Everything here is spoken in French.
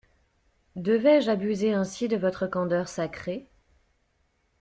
Devais-je abuser ainsi de votre candeur sacrée.